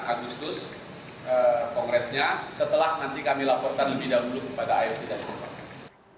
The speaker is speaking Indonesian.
agustus kongresnya setelah nanti kami laportan lebih dahulu kepada aff dan u sembilan belas